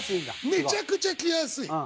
めちゃくちゃ着やすい。